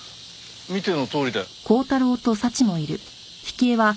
見てのとおりだよ。